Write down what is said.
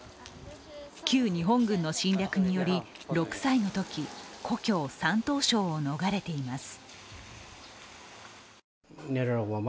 旧日本軍の侵略により、６歳のとき故郷・山東省を逃れています。